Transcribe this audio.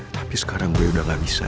tapi sekarang beliau udah gak bisa